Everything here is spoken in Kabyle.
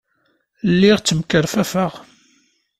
Lliɣ ttemkerfafeɣ.